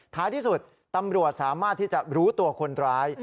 ท้ายที่สุดตำรวจสามารถที่จะรู้ตัวคนร้าย